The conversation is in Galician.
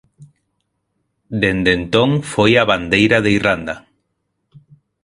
Dende entón foi a bandeira de Irlanda.